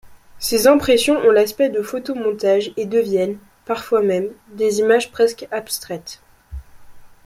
Ses impressions ont l’aspect de photomontage et deviennent, parfois même, des images presque abstraites.